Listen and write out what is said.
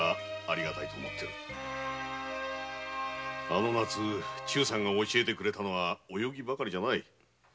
あの夏忠さんが教えてくれたのは泳ぎばかりじゃない。